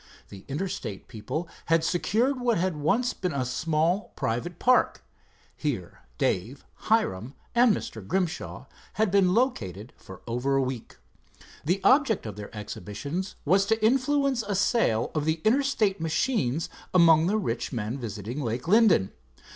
The Interstate people had secured what had once been a small private park. Here Dave, Hiram and Mr. Grimshaw had been located for over a week. The object of their exhibitions was to influence a sale of the Interstate machines among the rich men visiting Lake Linden.